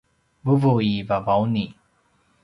vuvu i Vavauni